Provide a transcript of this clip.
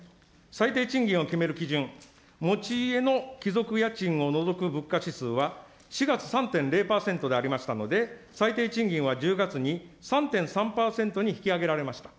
最低賃金を決める基準、持ち家の帰属家賃を除く物価指数は、４月３．０％でありましたので、最低賃金は１０月に３．３％に引き上げられました。